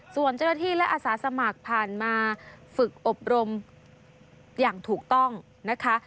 ส่วนเจ้าหน้าที่และอาสาสมัครผ่านมาฝึกอบรมอย่างถูกต้องนะคะ